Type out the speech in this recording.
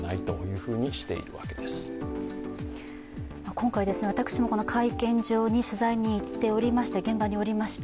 今回私もこの会見場に取材に行っておりまして、現場におりました。